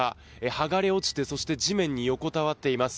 剥がれ落ちてそして地面に横たわっています。